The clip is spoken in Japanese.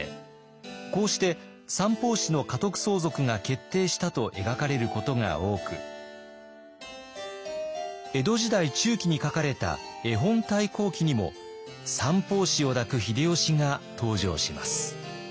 こうして三法師の家督相続が決定したと描かれることが多く江戸時代中期に書かれた「絵本太閤記」にも三法師を抱く秀吉が登場します。